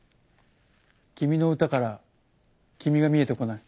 君の歌から君が見えてこない。